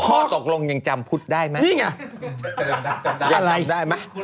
พ่อตกลงยังจำพุทธได้ไหม